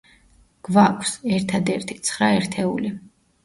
გვაქვს, ერთადერთი, ცხრა ერთეული.